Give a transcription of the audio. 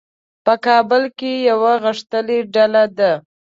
په کابل کې یوه غښتلې ډله ده.